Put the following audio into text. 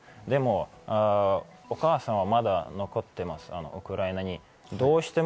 でもお母さんはまだ残っています、ウクライナに。